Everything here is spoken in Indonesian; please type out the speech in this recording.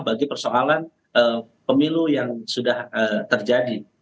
bagi persoalan pemilu yang sudah terjadi